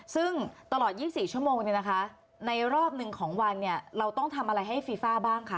ซึ่งตลอด๒๔ชั่วโมงเนี่ยนะคะในรอบหนึ่งของวันเนี่ยเราต้องทำอะไรให้ฟีฟ่าบ้างคะ